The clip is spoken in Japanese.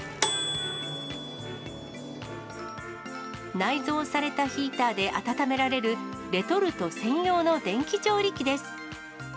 内蔵されたヒーターで温められる、レトルト専用の電気調理器です。